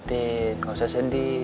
cintin gak usah sedih